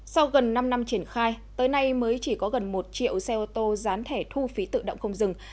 sau gần năm năm triển khai tới nay mới chỉ có gần một triệu xe ô tô dán thẻ thu phí tự động không dừng